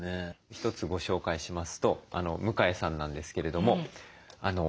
一つご紹介しますと向江さんなんですけれども今月ですね